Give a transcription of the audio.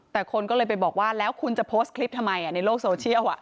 แต่คนก็เลยไปบอกว่าแล้วคุณจะโพสต์คลิปทำไมในโลกโซเชียล